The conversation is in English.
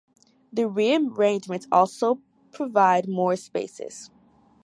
The rearrangement also provides more spaces.